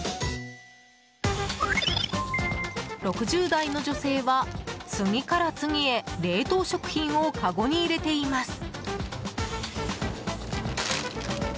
６０代の女性は次から次へ冷凍食品をかごに入れています。